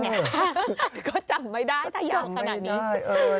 ก็จำไม่ได้ขนาดนี้